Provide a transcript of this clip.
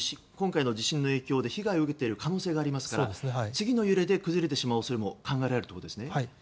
今回の地震の影響で被害を受けている可能性がありますから次の揺れで崩れてしまう可能性も考えられるんですね。